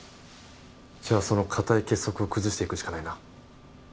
じゃあその固い結束を崩していくしかないな。